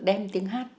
đem tiếng hát